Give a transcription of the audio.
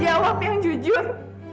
jawab yang jujur